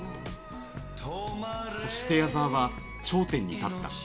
そして矢沢は頂点に立った。